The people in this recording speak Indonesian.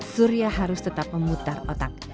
surya harus tetap memutar otak